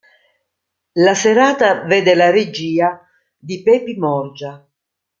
La serata vede la regia di Pepi Morgia..